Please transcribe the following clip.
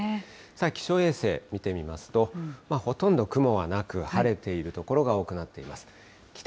気象衛星見てみますと、ほとんど雲はなく、晴れている所が多くなっています。